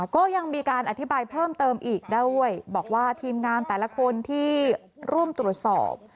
ก็ยังมีการอธิบายเพิ่มเติมอีกได้ด้วยบอกว่าทีมงานแต่ละคนที่ร่วมตรวจสอบ